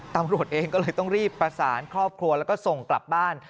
ตำรวจเองก็เลยต้องรีบประสานครอบครัวแล้วก็ส่งกลับบ้าน